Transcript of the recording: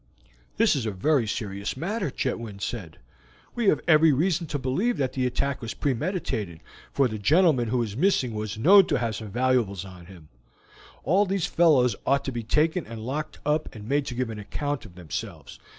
"This is a very serious matter," Chetwynd said. "We have every reason to believe that the attack was premeditated, for the gentleman who is missing was known to have some valuables on him; all these fellows ought to be taken and locked up and made to give an account of themselves.